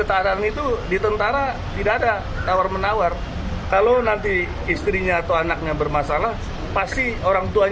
setelah sekular betul betul mendorong pengurusan kedutaanlass lant satu ratus sepuluh dan fifteen ge tujuh penang di residu finan pekulembang collection email weneng ingin dipimpin